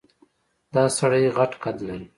دا سړی غټ قد لري.